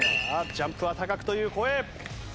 「ジャンプは高く」という声。